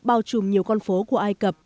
bao trùm nhiều con phố của ai cập